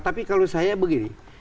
tapi kalau saya begini